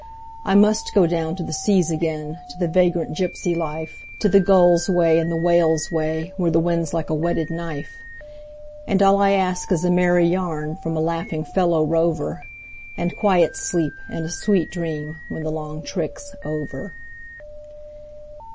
I must go down to the seas again, to the vagrant gypsy life, To the gull's way and the whale's way, where the wind's like a whetted knife; And all I ask is a merry yarn from a laughing fellow rover, And quiet sleep and a sweet dream when the long trick's over.